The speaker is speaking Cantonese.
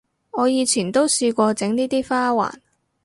我以前都試過整呢啲花環